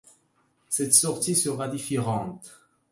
Cette sortie sera différente.